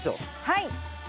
はい。